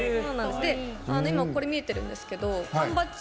今、これ見えてるんですけど缶バッジ。